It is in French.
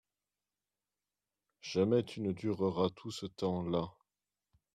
Jamais tu ne dureras tout ce temps-là.